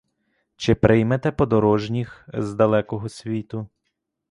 Чи приймете подорожніх з далекого світу?